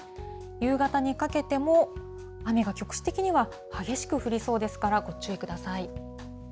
夕方にかけても雨が局地的には激しく降りそうですから、ご注意ください。